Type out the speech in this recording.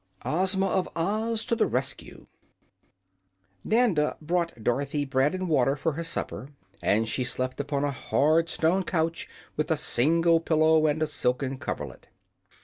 Ozma of Oz to the Rescue Nanda brought Dorothy bread and water for her supper, and she slept upon a hard stone couch with a single pillow and a silken coverlet.